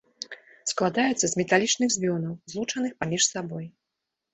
Складаецца з металічных звёнаў, злучаных паміж сабой.